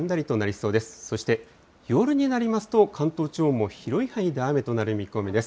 そして夜になりますと、関東地方も広い範囲で雨となる見込みです。